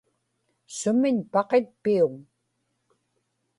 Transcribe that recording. sumiñ paqitpiuŋ